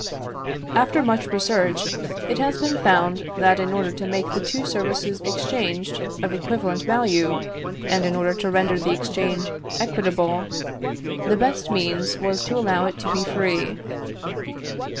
After much research it has been found, that in order to make the two services exchanged of equivalent value, and in order to render the exchange equitable, the best means was to allow it to be free.